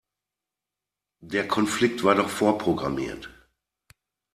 Der Konflikt war doch vorprogrammiert.